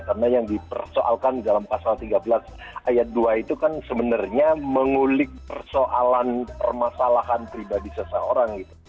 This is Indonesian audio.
karena yang dipersoalkan dalam pasal tiga belas ayat dua itu kan sebenarnya mengulik persoalan permasalahan pribadi seseorang gitu